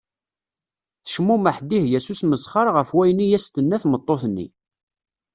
Tecmumeḥ Dihya s usmesxer ɣef wayen i as-tenna tmeṭṭut-nni.